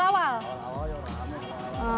kalau awal awal ya rame